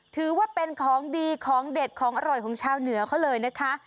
ถือว่าเป็นของดีของเด็ดของอร่อยของชาวเหนือเขาเลยนะคะ